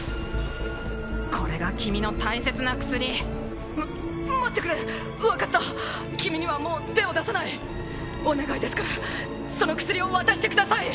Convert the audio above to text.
これが君の大切な薬ま待ってくれ分かった君にはもう手を出さないお願いですからその薬を渡してください